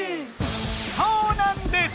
そうなんです！